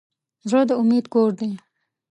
زړه د امید کور دی.